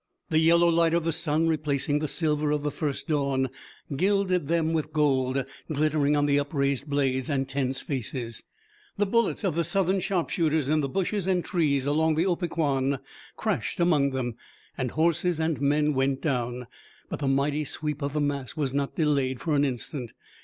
The yellow light of the sun, replacing the silver of the first dawn, gilded them with gold, glittering on the upraised blades and tense faces. The bullets of the Southern sharpshooters, in the bushes and trees along the Opequan, crashed among them, and horses and men went down, but the mighty sweep of the mass was not delayed for an instant.